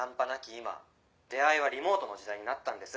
今出会いはリモートの時代になったんです。